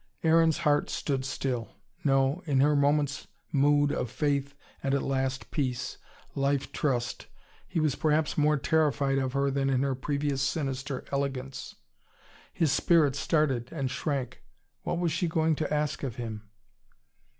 Aaron's heart stood still. No, in her moment's mood of faith and at last peace, life trust, he was perhaps more terrified of her than in her previous sinister elegance. His spirit started and shrank. What was she going to ask of him?